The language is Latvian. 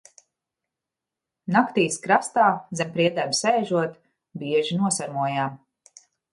Naktīs krastā, zem priedēm sēžot, bieži nosarmojām.